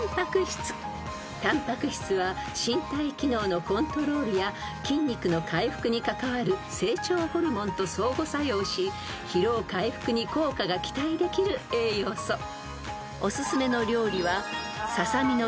［たんぱく質は身体機能のコントロールや筋肉の回復に関わる成長ホルモンと相互作用し疲労回復に効果が期待できる栄養素］［おすすめの料理は］